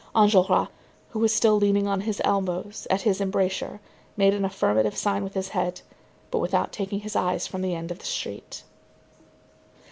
Enjolras, who was still leaning on his elbows at his embrasure, made an affirmative sign with his head, but without taking his eyes from the end of the street.